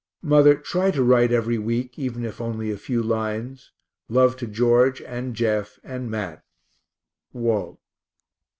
Mother, try to write every week, even if only a few lines. Love to George and Jeff and Mat. WALT.